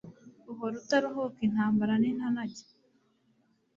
uhora utaruhuka intambara nintanage